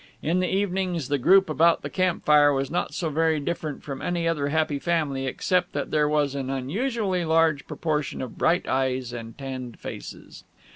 In the evenings the group about the camp fire was not so very different from any other happy family except that there was an unusually large proportion of bright eyes and tanned faces.